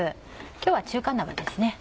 今日は中華鍋ですね。